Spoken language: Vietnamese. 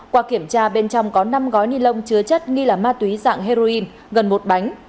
qua kiểm tra bên trong có năm gói ni lông chứa chất nghi là ma túy dạng heroin gần một bánh